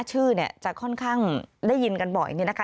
ชื่อเนี่ยจะค่อนข้างได้ยินกันบ่อยอย่างนี้นะคะ